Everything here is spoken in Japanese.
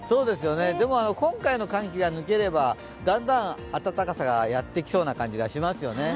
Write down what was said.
でも今回の寒気が抜ければ、だんだん暖かさがやってきそうな感じがしますよね。